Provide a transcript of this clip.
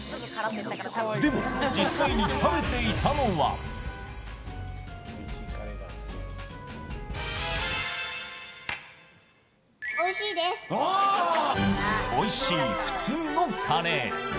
でも、実際に食べていたのはおいしい普通のカレー。